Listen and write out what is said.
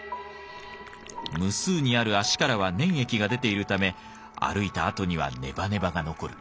無数にある足からは粘液が出ているため歩いた跡にはネバネバが残る。